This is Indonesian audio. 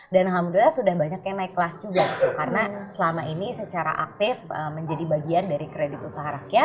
dan alhamdulillah sudah banyak yang naik kelas juga karena selama ini secara aktif menjadi bagian dari kredit usaha rakyat